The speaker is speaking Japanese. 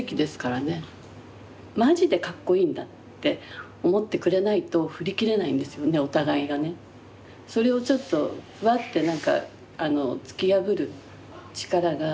マジでかっこいいんだって思ってくれないと振り切れないんですよねお互いがね。それをちょっとフワッて突き破る力が臼井さんの活動なのかなって思います。